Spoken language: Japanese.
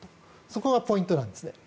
そこがポイントなんですね。